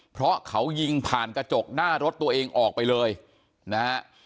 เพราะเขายิงผ่านกระจกหน้ารถตัวเองออกไปเลยนะฮะ